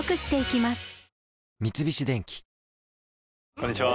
こんにちは。